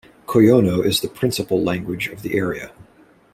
Cuyono is the principal language of the area.